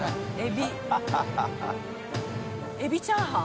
エビチャーハン？